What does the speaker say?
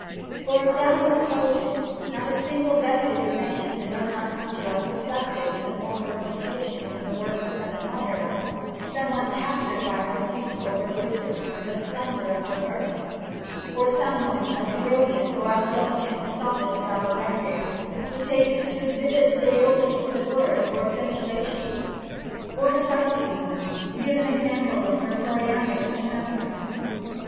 For of Sappho's poetry not a single vestige remains that does not come to us reflected in the form of a quotation from the works of some admirer, some one captured by her beauty or her wisdom or the splendour of her verse, or some one, like Herodian or Apollonius the sophist of Alexandria, who takes it to exhibit the aeolic use of words or accentuation, or 7 SAPPHO Hephasstion, to give an example of her choriambic tetrameters.